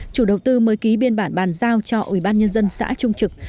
chủ đầu tư mới ký biên bản bàn giao cho ủy ban nhân dân xã trung trực